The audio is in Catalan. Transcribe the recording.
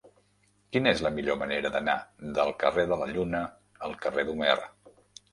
Quina és la millor manera d'anar del carrer de la Lluna al carrer d'Homer?